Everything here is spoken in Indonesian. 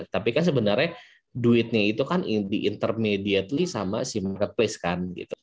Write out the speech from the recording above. tapi sebenarnya duitnya itu kan diintermediate sama marketplace